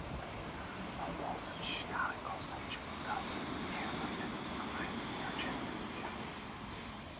Num mundo digital em constante mudança, ter uma presença online forte é essencial.